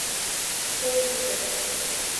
— Ок сите...